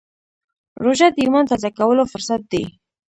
روژه د ایمان تازه کولو فرصت دی.